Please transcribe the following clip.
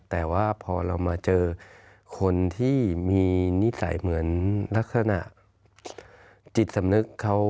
แต่ว่าพอเรามาเจอคนที่มีนิสัยเหมือนลักษณะจิตสำนึกเขา